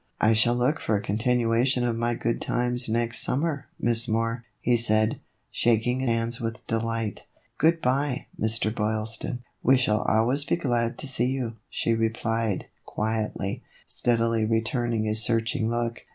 " I shall look for a continuation of my good times next summer, Miss Moore," he said, shaking hands with Delight. "Good by, Mr. Boylston. We shall always be glad to see you," she replied, quietly, steadily re turning his searching look.